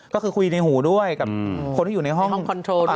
ก็คือคุยในหูด้วยกับคนที่อยู่ในห้องคอนโทรด้วย